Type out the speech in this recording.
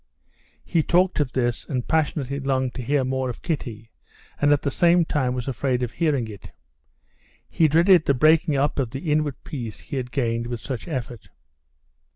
He talked of this, and passionately longed to hear more of Kitty, and, at the same time, was afraid of hearing it. He dreaded the breaking up of the inward peace he had gained with such effort.